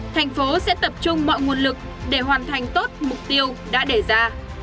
thành phố sẽ tập trung mọi nguồn lực để hoàn thành tốt mục tiêu đã đề ra